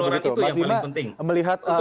outcome dan output pengeluaran itu yang paling penting